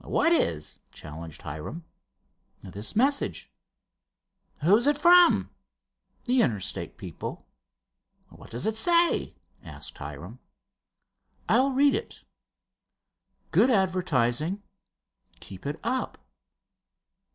"What is?" challenged Hiram. "This message." "Who is it from?" "The Interstate people." "What does it say?" asked Hiram. "I'll read it: 'Good advertising—keep it up.